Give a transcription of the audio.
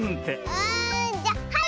あじゃはい！